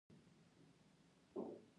دا ټولنه د لا ډېر پرانیست والي په لور خوځوي.